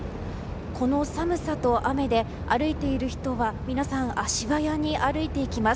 この寒さと雨で歩いている人は皆さん足早に歩いていきます。